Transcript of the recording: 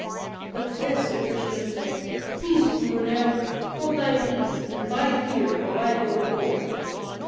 But to this Sir Tristram said: "Peace, Gouvernail! Hold thy peace, and bide here while I go forward!"